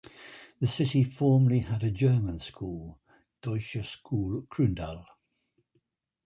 The city formerly had a German school, Deutsche Schule Kroondal.